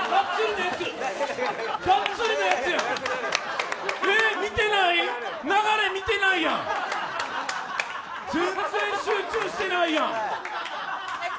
ガッツリのやつやん、流れ見てないやん、全然集中してないやん。